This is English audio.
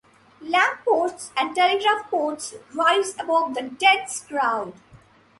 Lampposts and telegraph posts rise above the dense crowd.